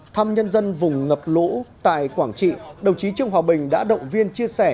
thăm nhân dân vùng ngập lũ tại quảng trị đồng chí trương hòa bình đã động viên chia sẻ